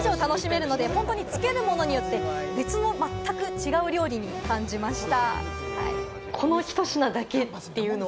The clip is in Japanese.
これ、一度で９回以上楽しめるので、本当につけるものによって別の、全く違う料理に感じました。